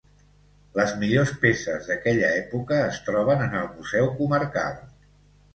Les millors peces d'aquella època es troben en el museu comarcal.